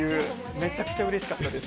めちゃくちゃうれしかったです。